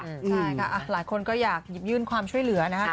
ใช่ค่ะหลายคนก็อยากหยิบยื่นความช่วยเหลือนะคะ